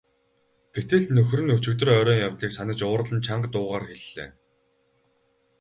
Гэтэл нөхөр нь өчигдөр оройн явдлыг санаж уурлан чанга дуугаар хэллээ.